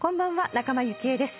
仲間由紀恵です。